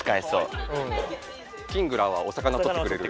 キングラーはお魚をとってくれる。